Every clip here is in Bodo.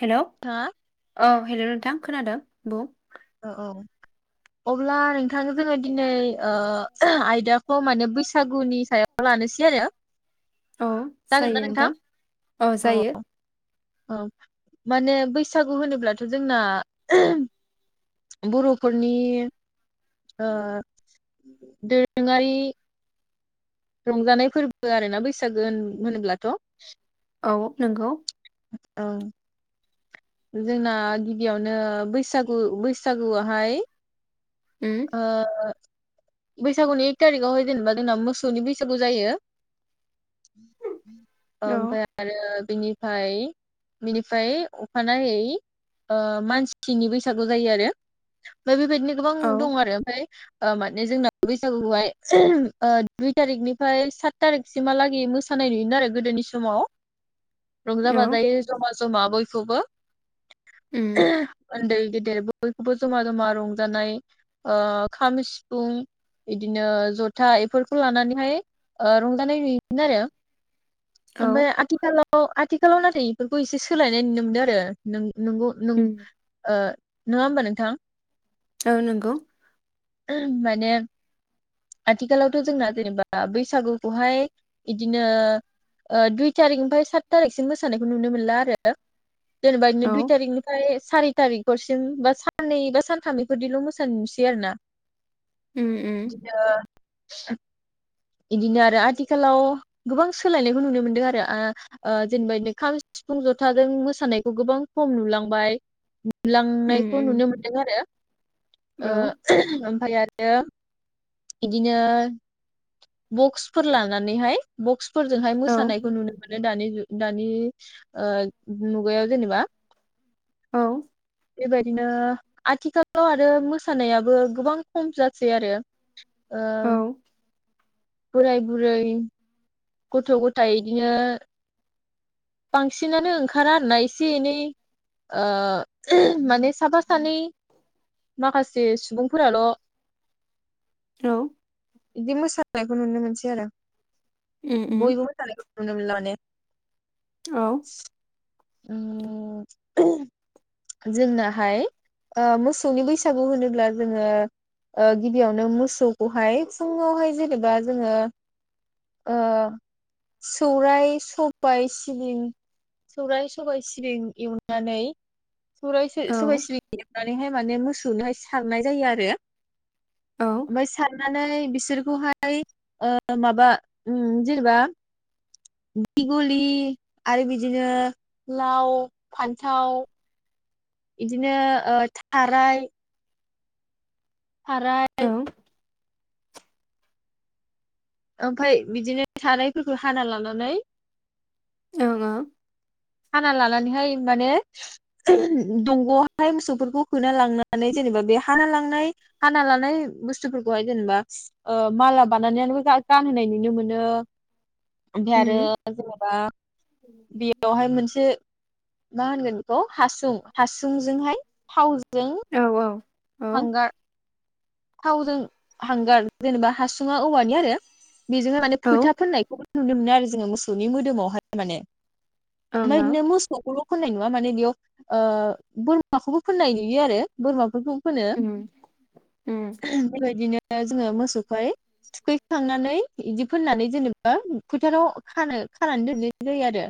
हेलौ थाङा ओ हेलौ नोंथां खोनादों बुं औ औ अब्ला नोंथां जोङो दिनै ओ आयदाखौ माने बैसागुनि सायाव लानोसै आरो अ जायो नोंथां अ औ जायो। औ माने बैसागु होनोब्लाथ जोंना बर'फोरनि ओ दोरोङारि रंजानाय फोरबो आरोना बैसागो होन-होनोब्लाथ' औ नोंगौ औ जोंना गिबियावनो बैसागु बैसागुआवहाय उम ओ बैसागुनि एक थारिकावहाय जेनेबा जोंना मोसौनि बैसागु जायो। औ ओमफ्राय आरो बिनिफाय बिनिफाय अखानायै ओ मानसिनि बैसागु जायो आरो ओमफाय बेबायदिनो गोबां औ दं आरो ओमफाय ओ माने जोंना बैसागुखौहाय [unintelligible] दुइ थारिखनिफ्राय सात थारिखसिमहालागै मोसानाय नुयो आरो गोदोनि समाव रंजा औ बाजायै जमा जमा बयखौबो उम [inaudible] ओन्दै गेदेर बयखौबो जमा जमा रंजानाय ओ खाम सिफुं इदिनो जथा बेफोरखौ लानानैहाय रंजानाय नुयोमोन आरो औ ओमफाय आथिखालाव औ आथिखालाव नाथाय इफोरखौ एसे सोलायनाय नुनो मोनदों आरो नों नोंगौ नों उम ओ नङा होमबा नोंथां? औ नंगौ माने आथिखालावथ जोंना जेनेबा बैसागुखौहाय बिदिनो दुइ ओ थारिकनिफ्राय सात थारिखसिम मोसानायखौ नुनो मोनला आरो जेनेबा औ बिदिनो दुइ थारिकनिफ्राय सारि थारिखसिम बा साननै बा सानथाम बे फोरदिल मोसानाय नुसै आरोना। उम उम [inaudible] इदिनो आरो आथिखालाव गोबां सोलायनायखौ नुनो मोनदों आरो आ ओ जेनेबा खाम सिफुं जथाजों मोसानायखौ गोबां खम नुलांबाय उम नुलांनायखौ नुनो उम मोन्दों आरो । ओ औ ओमफ्राय आरो ओ इदिनो बक्सफोर लानानैहाय बक्स फोरजोंहाय औ मोसानायखौ नुनो मोनो दानि जुग दानि ओमुगायाव जेनेबा। औ बेबायदिनो आथिखालाव आरो मोसानायाबो गोबां खम जासै आरो । औ ओं बोराय बुरै गथ गथाय इदिनो बांसिनानो ओंखारा आरोना एसे एनै ओ माने साफा सानै माखासे सुबुंफोराल औ इदि मोसानायखौ नुनो मोनसै आरो उम । उम बयबो मोसानायखौ । नुनो मोनला माने । औ उम जोंनाहाय ओ मोसौनि बैसागु होनोब्ला जोङो ओ गिबियावनो मोसौखौहाय फुङावहाय जेनेबा जोङो ओ सौराइ सबाय सिबिं सौराइ सबायाइ सिबिं एवनानै सैराय औ [unintelligible] सौनानैहाय माने मोसौनोहाय सारनाय जायो आरो । औ ओमफ्राय सार नानै बिसोरखौहाय ओ माबा उम जेनेबा दिगलि आरो बिदिनो लाव फान्थाव इदिनो ओ थाराय । औ थाराइ ओं ओमफफ्राय बिदिनो थारायफोरखौ हाना लानानै ओं ओं हाना लानानैहाय माने दंग'आवहाय मोसौफोरखौ होना लांनानै जेनेबा बे हाना लांनाय हाना लानाय बुस्थुफोरखौहाय जेनेबा माला बानायानानैानो गानहोनाय नुनो मोनो। ओमफ्राय आरो जेनेबा बे अ हाय मोनसे मा हो नो इखौ हासुं हासुंजोंहाय थाव औ औ औ ओं हांगार । थावजों हांगार जेनेबा हासुङा औवानि आरो। बेजोंनो माने फोथा फोननायखौ नुनो मोनो आरो जोङो मोसौनि मोदोमावहाय माने ओमफ्राय ओं बिदिनो मोसौखौ फोननाय नुवा माने बेयाव बोरमाखौबो फोननाय नुयो आरो बोरमाफोरखौ फोनो उम उम [unintelligible] बेदिनो जोङो मोसौहाय थुखैखांनानै बिदि फोननानै जेनेबा फोथाराव खानो खानानै दोनहैनाय जायो आरो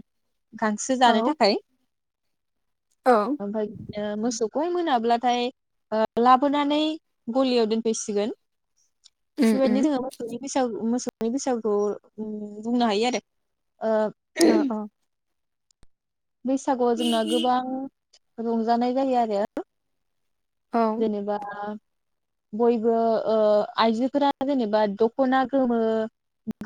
गांसो औ जानो थाखाय औ ओमफ्राय बिदिनो मोसौ गय मोनाब्लाथाय लाबोनानै गलियाव दोनफैसिगोन उम बे बादिनो उम जों मोसौनि बैसागु बैसागुखौ बुंनो हायो आरो औ ओ बैसागुआव जोंना गोबां रंजानाय जायो आरो। औ जेनेबा बयबो आइजोफोरा जेनेबा दख'ना गोमो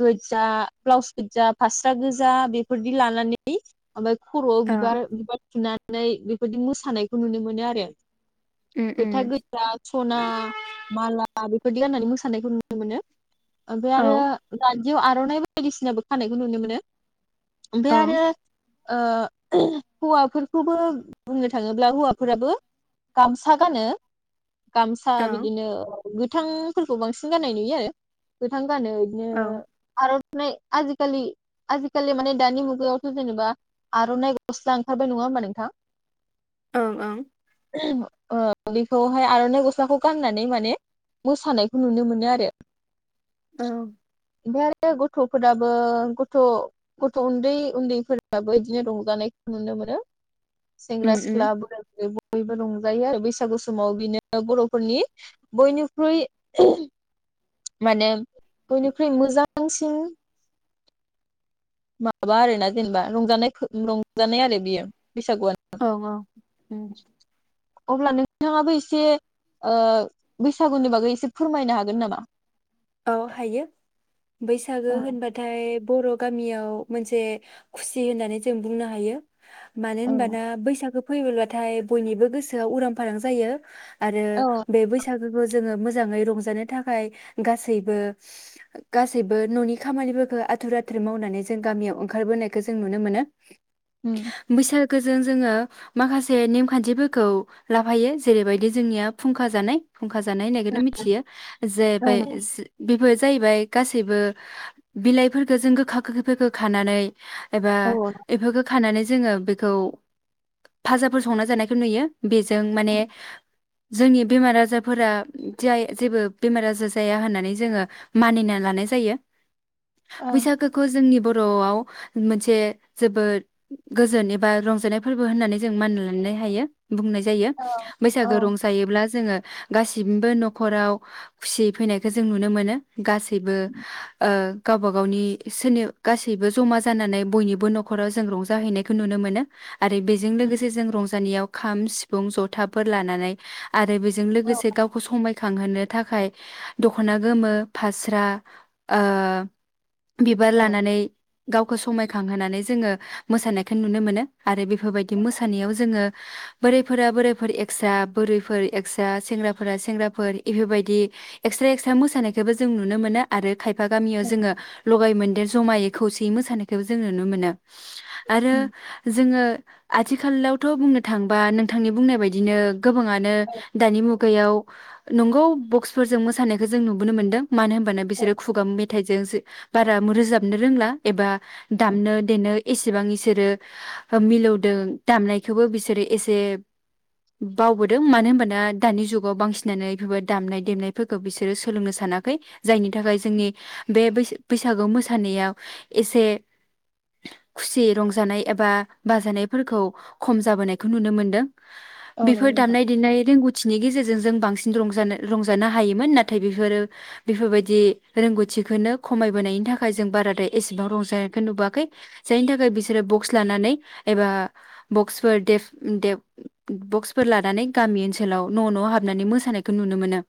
गोजा ब्लाउस गोजा फास्रा गोजा बेफोरदि लानानै ओमफ्राय खर'आव ओं बिबार-बिबार थुना नै बेफोरदि मोसानायखौ नुनो मोनो आरो उम फोथा उम गोदजा सना माला बे बिदि होननानै मोसानायखौ नुनो मोनो ओमफ्राय औ आरो दा बियाव आर'नाइ बायदिसिनाबो खानायखौ नुनो मोनो। औ ओमफ्राय आरो ओ हौवाफोरखौबो बुंनो थाङोब्ला हौवाफोराबो गामसा [unintelligible] गामसा औ बिदिनो गोथांफोरखौ बांसिन गनाय नुयो गोथां औ [unintelligible] नै आजिखालि आजिखालि माने दानि मुगायावथ' जेनेबा आर'नाइ गससा ओंखारबाय नङा होमबा नोंथां ओं ओं [inaudible] बेखौहाय आर'नाइ गस्लाखौ गाननानै माने मोसानायखौ नुनो मोनो आरो। औ ओमफ्राय आरो गथ'फोराबो गथ'-गथ' उन्दै-उन्दैफोराबो बिदिनो रंजानायखौ नुनो मोनो। सेग्रा उम सिख्ला उम बोराइ बुरै गथ' बयबो रंजायो आरो बैसागु समाव बिनो बर'फोरनि बयनिख्रुइ माने [unintelligible] मोजांसिन माबा आरोना जेनेबा रंजानाय-रंजानाय आरो बियो। बैसागुआनो औ औ अम अब्ला नोंथाङाबो एसे ओ बैसागुनि बागै एसे फोरमायनो हागोन नामा? औ हायो बैसागो औ होनबाथाय बर' गामियाव मोनसे खुसि होननानै जों बुंनो हायो। मानो औ होनबाना बैसागो फैयोब्लाथाय बयनिबो गोसोआ उरां फारां जायो आरो औ बे बैसागोखौ जोङो मोजाङै रंजानो थाखाय गासैबो गासैबो न'नि खामानिफोरखौ आथुर आथुर मावनानै जों गामियाव ओंखारबोनायखौ जों नुनो मोनो उम बैसाग लोगोजों जोङो माखासे नेमखान्थिफोरखौ लाफायो जेरैबायदि जोंनिया फुंखा जानाय फुंखा जानाय होननायखौनो मिथियो जे [unintelligible] औ नोंथां जाहैबाय गासैबो बिलायफोरखोजों गोखा गोखैफोरखौ खानानै एबा औ बेफोरखौ खानानै जोङो बेखौ फाजाफोर संना जानायखौ नुयो बेजों औ माने जोंनि बेमार आजारफोरा जाय जेबो बेमार आजार जाया होनानै जोङो मानिना लानाय जायो। औ बैसागोखौ जोंनि बर बरआव मोनसे जोबोद गोजोन एबा रंजानाय फोरबो होननानै जों मानिना लानो हायो। बुंनाय जायो औ औ बैसागो रंजायोब्ला जोङो गासिमबो नखराव खुसि फैनायखौ जों नुनो मोनो गासैबो ओ गावबा गावनि सोरनि गासैबो जमा जानानै बयनिबो नखराव जों रंजाहैनायखौ नुनो मोनो। आरो बेजों लोगोसे जों रंजानायाव खाम सिफुं जथाफोर लानानै आरो बेजों औ लोगोसे गावखौ समाय खांहोनो थाखाय दखना गोमो फास्रा ओह बिबार लानानै गावखौ समायखांहोनानै जोङो मोसानायखौ नुनो मोनो। आरो बेफोरबायदि मोसानायाव जोङो बोरायफोरा बोरायफोर एकसा बोरैफोर एकसा सेंग्राफोरा सेंग्राफोर इफोरबायदि एक्सट्रा-एक्सट्रा मोसानायखौबो जों नुनो मोनो आरो खायफा गामियाव जोङो लगाय मोन देर जमायै खौसेयै मोसानायखौबो जों नुनो मोनो। आरो जोङो आथिखालावथ' बुंनो थांबा नोंथांनि बुंनाय बायदिनो गोबाङानो दानि मुगायाव नंगौ बक्स फोरजों मोसानायखौ जों नुबोनो मोन्दों। मानो होनबाना औ बिसोरो खुगा मेथ थायजोंसो बारा रोजाबनो रोंला एबा दामनो देनो एसेबां इसोरो मिलौदों दामनायखौबो बिसोरो एसे बावबोदों। मानो होमबा दा दानि जुगाव बांसिननानो इफोरबादि दामनाय देनाय फोरखो बिसोरो सोलोंनो सानाखै जायनि थाखाय जोंनि बे बैस बैसागोयाव मोसानायाव एसे खुसियै रंजानाय एबा बाजानायफोरखौ खम जाबोनायखौ नुनो मोनदों। बेफोर औ दामनाय देनाय रोंगौथिनि गेजेर [unintelligible] जों बांसिन रंजानो रंजानो हा हायोमोन नाथाय बेफोरो बेफोरबायदि रोंगौथिखौनो खमायबोनायनि थाखाय जों बारादाय एसेबां रंजानायखौ नुबोआखै जायनि थाखाय बिसोरो बक्स लानानै एबा बक्सफोर देफ-देफ बक्सफोर लानानै गामि ओनसोलाव न-न हाबनानै मोसानायखौ नुनो मोनो।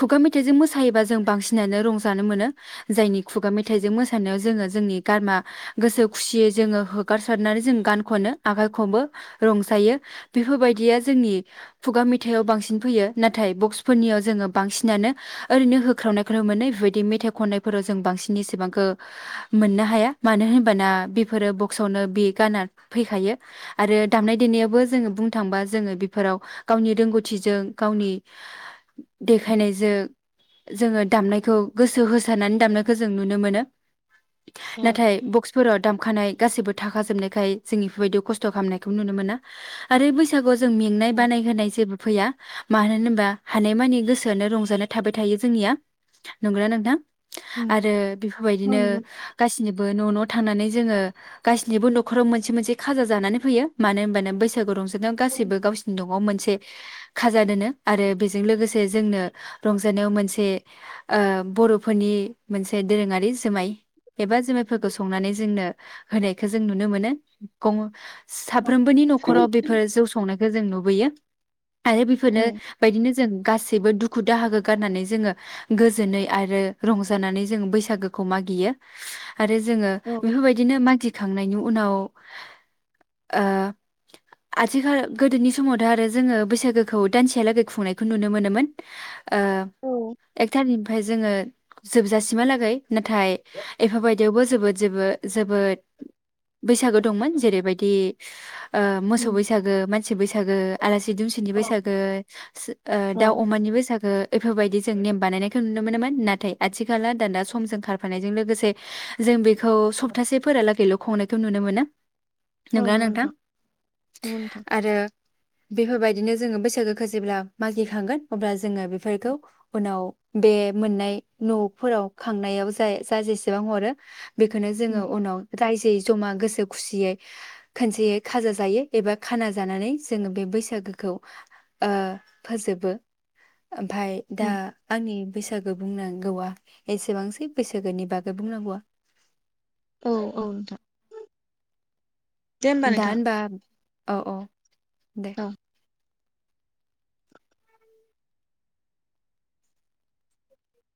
खुगा मेथाइजों मोसायोबा जों बांसिनानो रंजानो मोनो जायनि खुगा मेथाइजों मोसानायाव जोङो जोंनि गारमा गोसो खुसियै जोङो होगारसारनानै जों गान खनो आखाइ खबो रंजायो बेफोरबायदिया जोंनि खुगा मेथाइयाव बांसिन फैयो नाथाय बक्स फोरनियाव जोङो बांसिनानो ओरैनो होख्रावनायखौनो मोनो बेबायदि मेथाइ खननायफोराव जों बांसिन एसेबांखो मोननो हाया मानो होनबाना बेफोरो बक्सआवनो बे गाना फैखायो आरो दामनाय देनायावबो जोङो बुंनो थांबा जोङो बेफोराव गावनि रोंगौथिजों गावनि देखायनायजों जोङो दामनायखौ गोसो होसारनानै दामनायखौ जों नुनो मोनो। नाथाय बक्सफोराव दामखानाय गासैबो थाखा जोबनायखाय जों इफोरबायदियाव खस्थ खामनायखौ नुनो मोना आरो बैसागोआव जों मेंनाय बानाय होनाय जेबो फैया। मानो होनोबा हानायमानि गोसोनो रंजानो थाबाय थायो जोंनिया नंगौना नोंथां आरो बेफोरबायदिनो नंगौ गासैनिब बो न'-न' थांनानै जोङो गासिनिबो नखराव मोनसे-मोनसे खाजा जानानै फैयो मानो होनबानो बैसागु रंजानायाव गासिबो गावसिनि न'आव मोनसे खाजा दोनो आरो बेजों लोगोसे जोंनो रंजानायाव मोनसे ओ बर'फोरनि मोनसे दोरोङारि जोमाय एबा जोमायफोरखौ संनानै जोंनो होनायखौ जों नुनो मोनो गं साब साफ्रोमबोनि नखराव बेफोर जौ संनायखौ बेखौ जों नुबोयो। आरो बेफोरनो बिदिनो जों गासैबो दुखु दाहाखौ गारनानै जोङो गोजोनै आरो रंजानानै जोंङो बैसागोखौ मागियो। आरो जोङो बेफोरबायदिनो मा [unintelligible] खांनायनि उनाव ओ आथिखाल गोदोनि समावथ' आरो जोङो बैसागोखौ दानसेया लागै खुंनायखौ नुनो मोनोमोन ओ एक थारिकनिफ्राय जोङो जोबजासिमहालागै नाथाय एफोरबाय बेवबो जोबोद जोबो जोबोद बैसागो दंमोन जेरैबायदि ओ मोसौ बैसागो मानसि बैसा गो आलासि दुमसिनि बैसागो स ओ दाउ अमानि बैसागो बेफोरबायदि जों नेम बानायनायखौ नुनो मोनोमोन नाथाय आथिखाला दाना समजों खारफानायजों लोगोसे जों बेखौ सप्तासे फोरलागैल' खुंनायखौ नुनो मोनो । नंगौना नोंथां नंगौ नोंथां आरो बेफोरबायदिनो जोङो बैसागो खो जेब्ला मागिखांगोन अब्ला जोङो बेफोरखौ उनाव बे मोननाय न'फोराव खांनायाव जा जा जेसेबां हरो बेखौनो जोङो उम, उनाव रायजोयै जमा गोसो खुसियै खोनसेयै खाजा जायो एबा खाना जानानै जोङो बे बैसागोखौ ओ फोजोबो । ओमफाय दा उम, आंनि बैसागो बुंनांगौआ एसेबांसै बैसागोनि बागै बुंनांगौआ । औ औ नोंथां दे होमबा दा नोंथां होनबा औ अ दे। औ